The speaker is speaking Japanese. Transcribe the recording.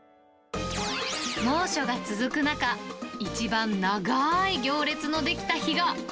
猛暑が続く中、一番長い行列の出来た日が。